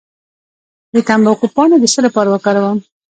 د تمباکو پاڼې د څه لپاره وکاروم؟